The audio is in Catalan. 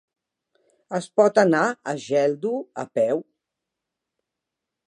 Es pot anar a Geldo a peu?